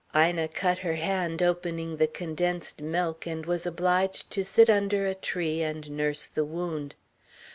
Ina cut her hand opening the condensed milk and was obliged to sit under a tree and nurse the wound.